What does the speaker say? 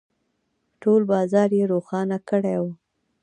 ، ټول بازار يې روښانه کړی و.